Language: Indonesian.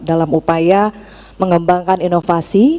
dalam upaya mengembangkan inovasi